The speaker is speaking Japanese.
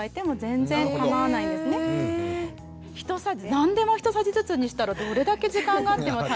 何でも１さじずつにしたらどれだけ時間があっても足りませんので。